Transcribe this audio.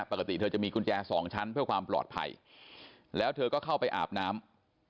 ปกติเธอจะมีกุญแจสองชั้นเพื่อความปลอดภัยแล้วเธอก็เข้าไปอาบน้ำ